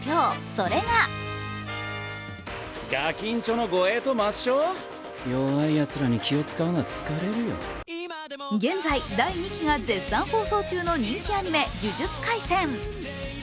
それが現在、第２期が絶賛放送中の人気アニメ「呪術廻戦」。